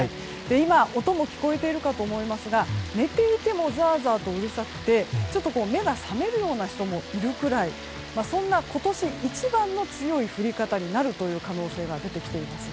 今、音も聞こえているかと思いますが寝ていてもザーザーとうるさくてちょっと目が覚めるような人もいるくらいそんな今年一番の強い降り方になる可能性が出てきています。